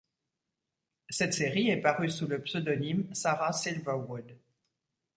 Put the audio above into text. Cette série est parue sous le pseudonyme Sarah Silverwood.